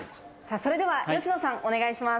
それでは吉野さん、お願いします。